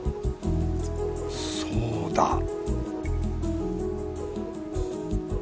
そうだ